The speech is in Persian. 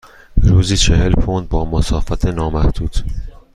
روزی چهل پوند با مسافت نامحدود.